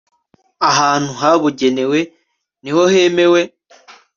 ahantu habugenewe niho hemewe